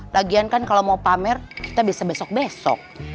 lagian kan kalau mau pamer kita biasa besok besok